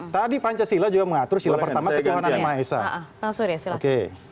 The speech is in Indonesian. tadi pancasila juga mengatur silapertama kekuatan anima esah